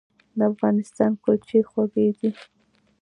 د افغانستان کلچې خوږې دي